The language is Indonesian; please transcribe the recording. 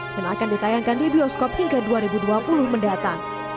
yang akan ditayangkan di bioskop hingga dua ribu dua puluh mendatang